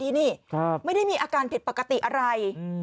นี่ไม่ได้มีอาการผิดปกติอะไร